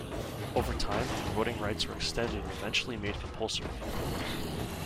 Over time, voting rights were extended and eventually made compulsory.